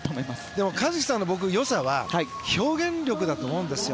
でも僕、一希さんの良さは表現力だと思うんですよ。